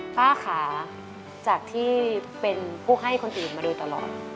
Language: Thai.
ป้าขาจากที่เป็นผู้ให้คนอื่นมาโดยตลอด